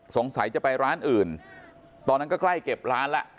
สงสัยจะไปร้านอื่นตอนนั้นก็ใกล้เก็บร้านแล้ว